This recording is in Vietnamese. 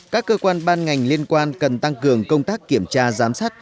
các cơ quan ban ngành liên quan cần tăng cường công tác kiểm tra giám sát